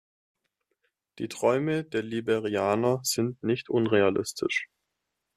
Die Träume der Liberianer sind nicht unrealistisch.